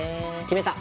決めた！